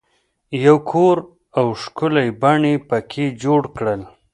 یو کور او ښکلی بڼ یې په کې جوړ کړل.